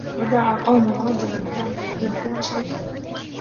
وَدَعَا قَوْمٌ رَجُلًا كَانَ يَأْلَفُ عِشْرَتَهُمْ